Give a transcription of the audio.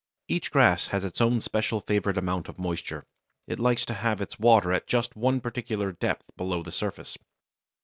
Each grass has its own special favourite amount of moisture. It likes to have its water at just one particular depth below the surface.